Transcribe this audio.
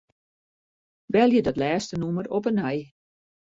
Belje dat lêste nûmer op 'e nij.